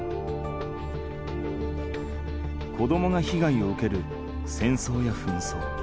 子どもがひがいを受ける戦争や紛争。